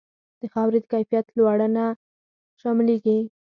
د خاورې د کیفیت لوړونه شاملیږي.